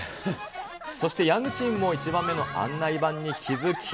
そしてヤングチームも１番目の案内板に気付き。